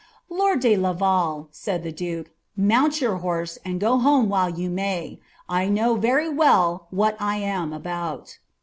''' Lord de Laval," said the duke, '^ mount your liorse, and gu boa* while you may ; 1 know very well what I am aboni.''"